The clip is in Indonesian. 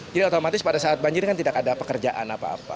jadi otomatis pada saat banjir kan tidak ada pekerjaan apa apa